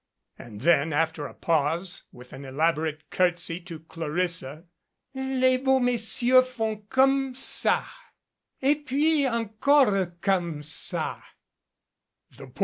And then, after a pause, with an elaborate curtsey to Clarissa : "Les beaux messieurs font comme ca Et puts encore comme ca."